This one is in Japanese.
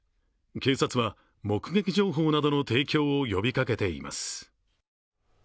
警察は目撃情報などの提供を呼びかけています。